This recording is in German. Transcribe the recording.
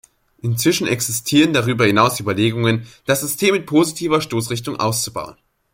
Inzwischen existieren darüber hinaus Überlegungen, das System mit positiver Stoßrichtung auszubauen.